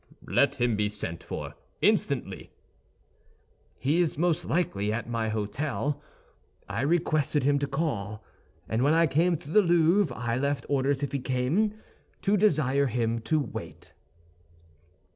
"Let him be sent for instantly." "He is most likely at my hôtel. I requested him to call, and when I came to the Louvre I left orders if he came, to desire him to wait."